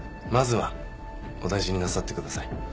まずはお大事になさってください。